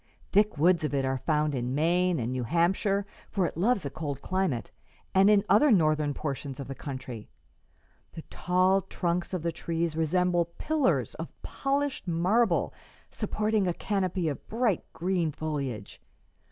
Thick woods of it are found in Maine and New Hampshire for it loves a cold climate and in other Northern portions of the country. The tall trunks of the trees resemble pillars of polished marble supporting a canopy of bright green foliage.